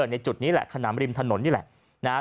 ในจุดนี้แหละขนามริมถนนนี่แหละนะฮะ